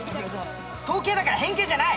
統計だから偏見じゃない！